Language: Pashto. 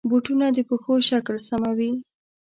بوټونه د پښو شکل سموي.